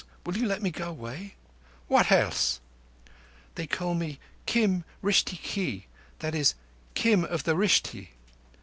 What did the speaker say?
Will you let me go away?" "What else?" "They call me Kim Rishti ke. That is Kim of the Rishti."